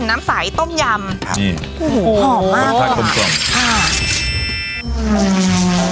น้ำสายต้มยำครับนี่โอ้โหหอมมากผักกลมกลมค่ะ